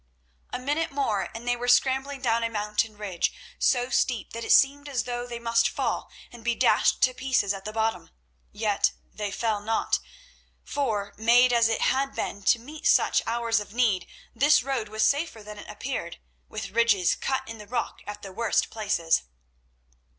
A minute more, and they were scrambling down a mountain ridge so steep that it seemed as though they must fall and be dashed to pieces at the bottom. Yet they fell not, for, made as it had been to meet such hours of need, this road was safer than it appeared, with ridges cut in the rock at the worst places.